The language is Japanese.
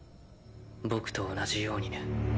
僕と同じようにね。